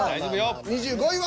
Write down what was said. ２５位は。